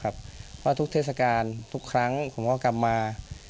เพราะทุกเทศกาลทุกครั้งผมก็กลับมา